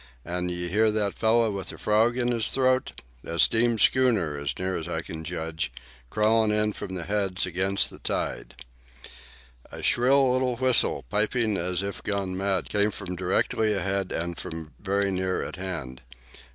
And you hear that fellow with a frog in his throat—a steam schooner as near as I can judge, crawlin' in from the Heads against the tide." A shrill little whistle, piping as if gone mad, came from directly ahead and from very near at hand.